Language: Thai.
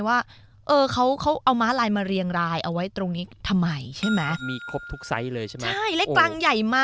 ว่าแบบมาลายจะมาตั้ง